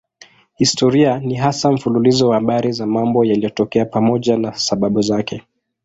Historia ni hasa mfululizo wa habari za mambo yaliyotokea pamoja na sababu zake.